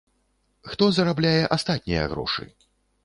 Хто зарабляе астатнія грошы?